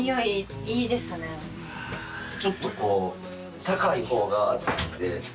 ちょっとこう高い方が熱くて。